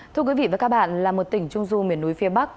thưa quý vị và các bạn là một tỉnh trung du miền núi phía bắc